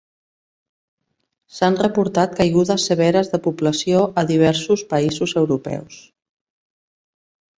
S'han reportat caigudes severes de població a diversos països europeus.